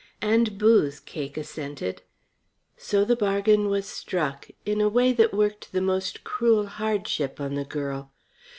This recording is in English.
"And booze," Cake assented. So the bargain was struck in a way that worked the most cruel hardship on the girl.